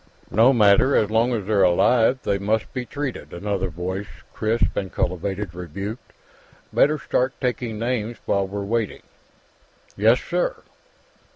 "No matter; so long as they're alive, they must be treated," another voice, crisp and cultivated, rebuked. "Better start taking names, while we're waiting." "Yes, sir."